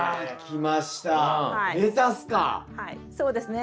はいそうですね。